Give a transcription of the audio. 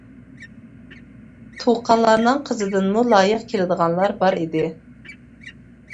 تۇغقانلارنىڭ قىزىدىنمۇ لايىق كېلىدىغانلار بار ئىدى.